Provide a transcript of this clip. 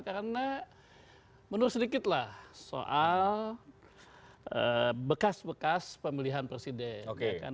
karena menurut sedikitlah soal bekas bekas pemilihan presiden